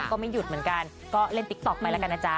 ก็ไม่หยุดเหมือนกันก็เล่นติ๊กต๊อกไปแล้วกันนะจ๊ะ